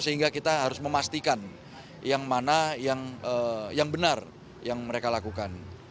sehingga kita harus memastikan yang mana yang benar yang mereka lakukan